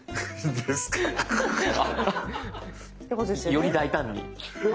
より大胆に。